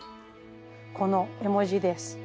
この絵文字です。